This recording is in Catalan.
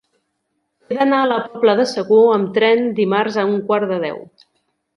He d'anar a la Pobla de Segur amb tren dimarts a un quart de deu.